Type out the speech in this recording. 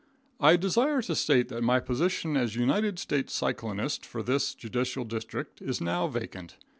I desire to state that my position as United States Cyclonist for this Judicial District is now vacant.